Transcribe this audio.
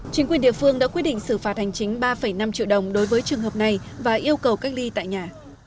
chính quyền địa phương đã quyết định xử phạt hành chính ba năm triệu đồng đối với trường hợp này và yêu cầu cách ly tại nhà